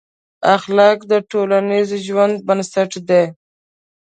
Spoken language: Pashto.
اخلاق د ټولنیز ژوند بنسټ دی.